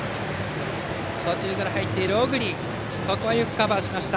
途中から入っている小栗がここはよくカバーしました。